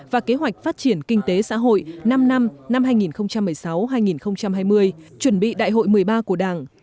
và kế hoạch phát triển kinh tế xã hội năm năm năm năm hai nghìn một mươi sáu hai nghìn hai mươi chuẩn bị đại hội một mươi ba của đảng